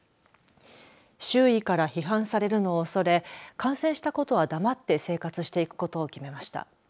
周囲から批判されるのをおそれ感染したことは黙って生活していくことを決めました。